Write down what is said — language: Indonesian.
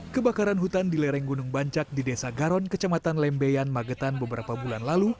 kebakaran hutan di lereng gunung bancak di desa garon kecamatan lembeyan magetan beberapa bulan lalu